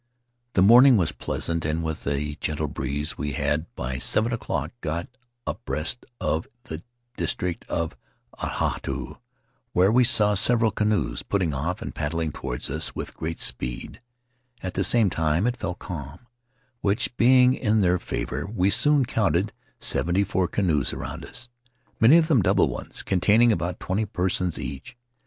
The morning was pleasant, and with a gentle breeze we had, by seven o'clock, got abreast of the district of Atahooroo, whence we saw several canoes putting off and paddling toward us witk great speed; at the same time it fell calm, which, being in their favor, we soon counted seventy four canoes around us, many of them double ones, containing about twenty persons each.